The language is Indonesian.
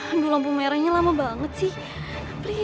ambil lampu merahnya lama banget sih